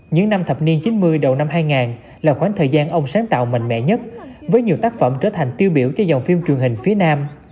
những năm thập niên chín mươi đầu năm hai nghìn là khoảng thời gian ông sáng tạo mạnh mẽ nhất với nhiều tác phẩm trở thành tiêu biểu cho dòng phim truyền hình phía nam